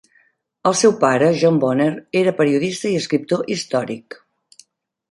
El seu pare, John Bonner era periodista i escriptor històric.